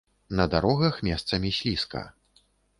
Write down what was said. На дарогах месцамі слізка.